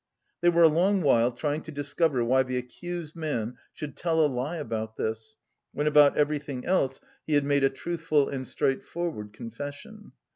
They were a long while trying to discover why the accused man should tell a lie about this, when about everything else he had made a truthful and straightforward confession.